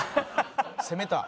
攻めた。